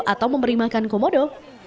atau memberi makan komodo